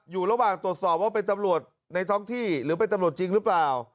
อยู่ระหว่างตรวจสอบว่าเป็นตำรวจในท้องที่หรือเป็นตำรวจจริงหรือเปล่า